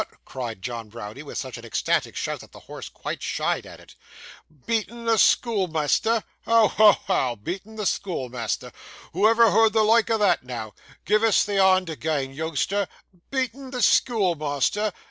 cried John Browdie, with such an ecstatic shout, that the horse quite shied at it. 'Beatten the schoolmeasther! Ho! ho! ho! Beatten the schoolmeasther! who ever heard o' the loike o' that noo! Giv' us thee hond agean, yoongster. Beatten the schoolmeasther!